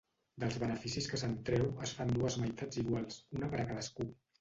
Dels beneficis que se'n treu es fan dues meitats iguals, una per a cadascú.